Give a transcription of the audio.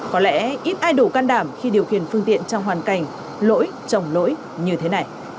có lẽ ít ai đủ can đảm khi điều khiển phương tiện trong hoàn cảnh lỗi chồng lỗi như thế này